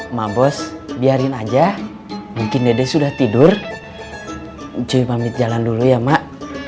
emak bos biarin aja mungkin dede sudah tidur cuy pamit jalan dulu ya mak